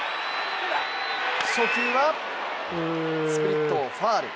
初球は、スプリット、ファウル。